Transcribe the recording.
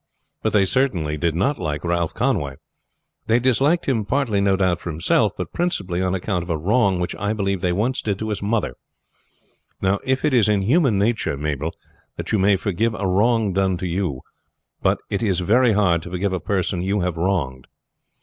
But they certainly did not like Ralph Conway. They disliked him partly no doubt for himself, but principally on account of a wrong which I believe they once did to his mother. Now, it is in human nature, Mabel, that you may forgive a wrong done to you, but it is very hard to forgive a person you have wronged.